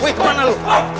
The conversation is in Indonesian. woy kemana lu